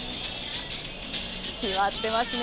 決まってますね。